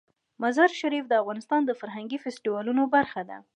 مزارشریف د افغانستان د فرهنګي فستیوالونو برخه ده.